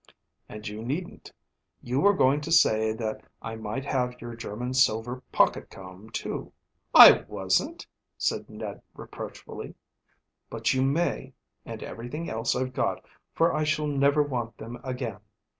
"And you needn't. You were going to say that I might have your German silver pocket comb too." "I wasn't," said Ned reproachfully. "But you may, and everything else I've got, for I shall never want them again."